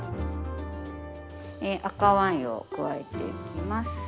赤ワインを加えていきます。